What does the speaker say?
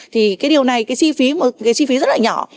thì cái điều này cái chi phí rất là nhỏ